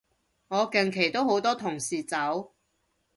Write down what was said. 我近期都好多同事走